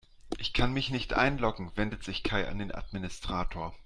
"Ich kann mich nicht einloggen", wendet sich Kai an den Administrator.